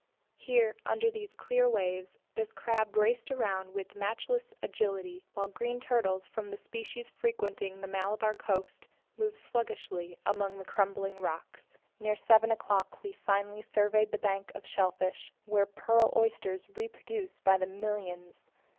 Here, under these clear waves, this crab raced around with matchless agility, while green turtles from the species frequenting the Malabar coast moved sluggishly among the crumbling rocks. Near seven o'clock we finally surveyed the bank of shellfish, where pearl oysters reproduce by the millions.